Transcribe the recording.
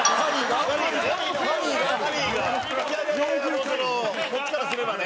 いやいやいやもうそのこっちからすればね。